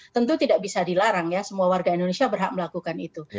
tentu tidak bisa dilarang ya semua warga indonesia berhak melakukan itu